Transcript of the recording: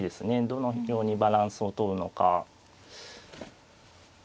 どのようにバランスをとるのか。